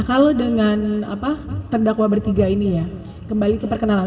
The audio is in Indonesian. kalau dengan terdakwa bertiga ini ya kembali ke perkenalan